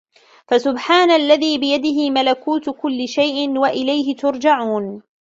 فَسُبحانَ الَّذي بِيَدِهِ مَلَكوتُ كُلِّ شَيءٍ وَإِلَيهِ تُرجَعونَ